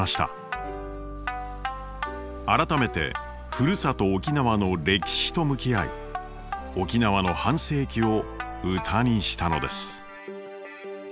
改めてふるさと沖縄の歴史と向き合い沖縄の半世紀を歌にしたのです。